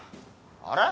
あれ？